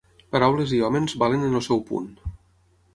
Paraules i homes valen en el seu punt.